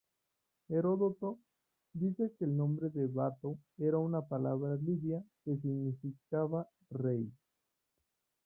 Heródoto dice que el nombre de Bato era una palabra libia que significaba rey.